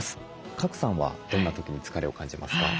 賀来さんはどんな時に疲れを感じますか？